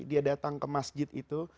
dia datang ke masjid itu